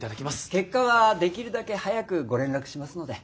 結果はできるだけ早くご連絡しますので。